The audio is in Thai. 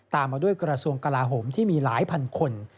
ตามมาด้วยกรสวงศ์กลาหมที่มีหลายพันคน